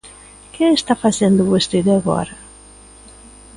¿Que está facendo vostede agora?